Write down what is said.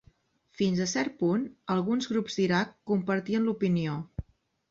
Fins a cert punt, alguns grups d'Iraq compartien l'opinió.